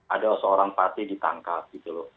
ada seorang pati ditangkap